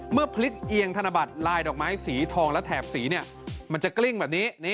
พลิกเอียงธนบัตรลายดอกไม้สีทองและแถบสีเนี่ยมันจะกลิ้งแบบนี้